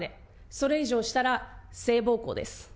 それ以上したら性暴行です。